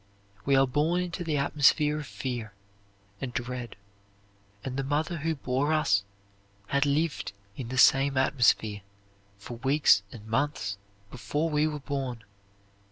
"We are born into the atmosphere of fear and dread, and the mother who bore us had lived in the same atmosphere for weeks and months before we were born.